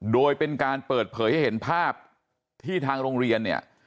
โดยเป็นการเปิดเผยให้เห็นภาพที่ทางโรงเรียนเนี่ย